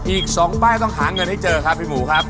อีก๒ใบต้องหาเงินให้เจอครับพี่หมูครับ